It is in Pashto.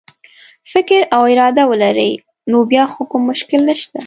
فکر او اراده ولري نو بیا خو کوم مشکل نشته.